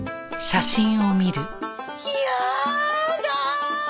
やだ！